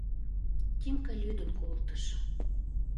— Тимка лӱдын колтыш.